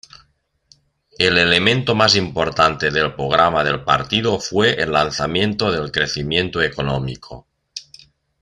El elemento más importante del programa del partido fue el lanzamiento del crecimiento económico.